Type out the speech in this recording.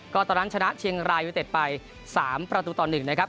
ก็ตอนนั้นชนะเชียงรายยูเต็ดไป๓ประตูต่อ๑นะครับ